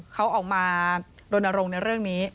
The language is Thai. เขาออกมารณรงค์ในเรื่องนี้